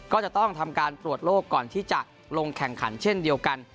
ก็จะต้องทำการตรวจโลกก่อนที่จะลงแข่งขันเช่นเดียวกัน